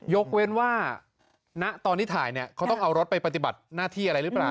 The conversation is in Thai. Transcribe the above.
ยกเว้นว่าณตอนที่ถ่ายเนี่ยเขาต้องเอารถไปปฏิบัติหน้าที่อะไรหรือเปล่า